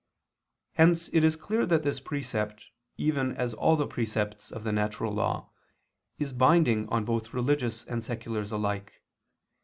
Hence it is clear that this precept, even as all the precepts of the natural law, is binding on both religious and seculars alike.